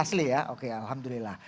asli ya oke alhamdulillah